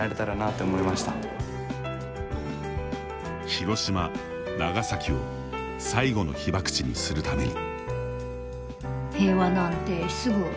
広島、長崎を最後の被爆地にするために。